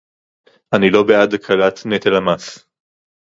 אני לא בעד הקלת נטל המס